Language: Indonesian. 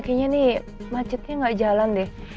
kayaknya nih macetnya nggak jalan deh